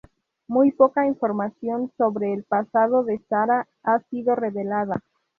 Muy poca información sobre el pasado de Sarah ha sido revelada.